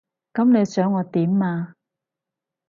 噉你想我點啊？